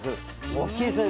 大きいですよね。